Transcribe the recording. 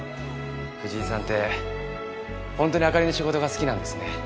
藤井さんってホントに明かりの仕事が好きなんですね。